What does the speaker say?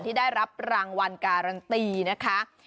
ที่ได้รับรางวัลการันตีนะคะ